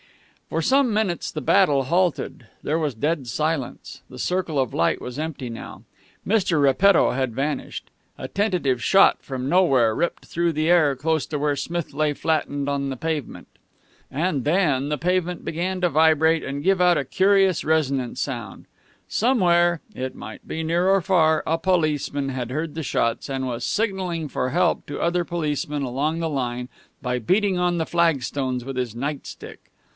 For some minutes the battle halted. There was dead silence. The circle of light was empty now. Mr. Repetto had vanished. A tentative shot from nowhere ripped through the air close to where Smith lay flattened on the pavement. And then the pavement began to vibrate and give out a curious resonant sound. Somewhere it might be near or far a policeman had heard the shots, and was signaling for help to other policemen along the line by beating on the flagstones with his night stick.